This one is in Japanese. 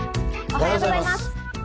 おはようございます。